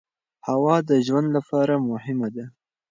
هوا د ژوند لپاره مهمه ده.